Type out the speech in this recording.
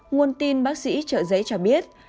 nguồn tin bác sĩ trợ giấy cho biết